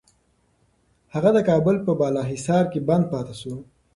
هغه د کابل په بالاحصار کي بند پاتې شو.